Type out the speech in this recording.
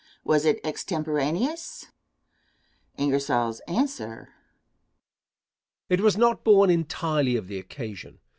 Was it extemporaneous? Answer. It was not born entirely of the occasion.